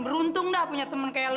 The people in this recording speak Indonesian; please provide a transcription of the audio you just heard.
beruntung dah punya temen kayak lo